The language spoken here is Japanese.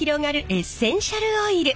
エッセンシャルオイル。